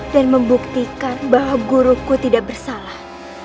dan membuktikan bahwa guruku tidak bersalah